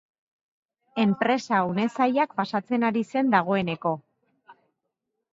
Enpresa une zailak pasatzen ari zen dagoeneko.